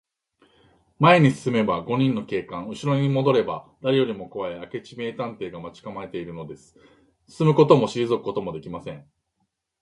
前に進めば五人の警官、うしろにもどれば、だれよりもこわい明智名探偵が待ちかまえているのです。進むこともしりぞくこともできません。